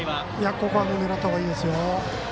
ここは狙った方がいいです。